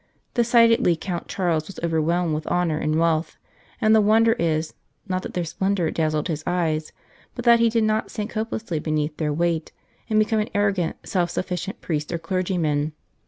Decidedly Count Charles was overwhelmed with honour and wealth, and the wonder is, not that their splendour dazzled his eyes, but that he did not sink hopelessly beneath their weight, and become an arrogant, self sufficient priest or clergyman.